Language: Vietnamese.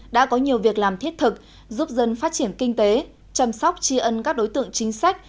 đã có nhiều việc làm thiết thực giúp dân phát triển kinh tế chăm sóc tri ân các đối tượng chính sách